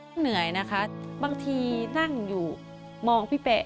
เหนื่อยนะคะบางทีนั่งอยู่มองพี่เป๊ะ